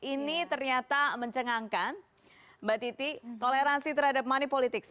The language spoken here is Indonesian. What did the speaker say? ini ternyata mencengangkan mbak titi toleransi terhadap money politics